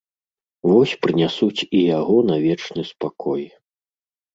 Вось прынясуць і яго на вечны спакой.